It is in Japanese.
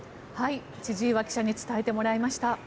千々岩記者に伝えてもらいました。